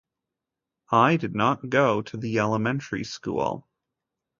I did not go to the elementary school.